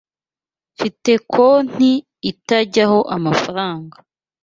Mfite konti itajyaho amafaranga